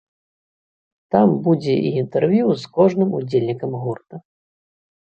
Там будзе і інтэрв'ю з кожным удзельнікам гурта.